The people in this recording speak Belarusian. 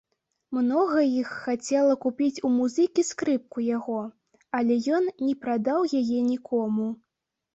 Многа іх хацела купіць у музыкі скрыпку яго, але ён не прадаў яе нікому.